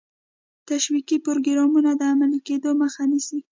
تشویقي پروګرامونو د عملي کېدو مخه نیسي.